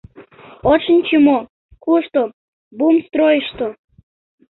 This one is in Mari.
От шинче мо, кушто: бумстройышто.